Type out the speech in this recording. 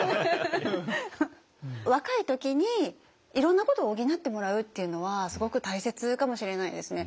若い時にいろんなことを補ってもらうっていうのはすごく大切かもしれないですね。